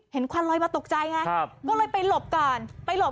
ควันลอยมาตกใจไงก็เลยไปหลบก่อนไปหลบ